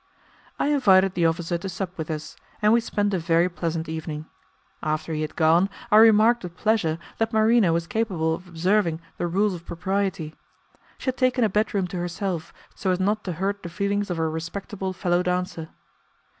I invited the officer to sup with us, and we spent a very pleasant evening. After he had gone, I remarked with pleasure that Marina was capable of observing the rules of propriety. She had taken a bedroom to herself, so as not to hurt the feelings of her respectable fellow dancer.